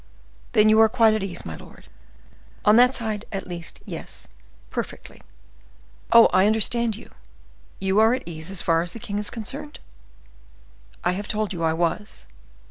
"Then you are quite at ease, my lord?" "On that side, at least! yes, perfectly!" "Oh! I understand you; you are at ease as far as the king is concerned?" "I have told you I was."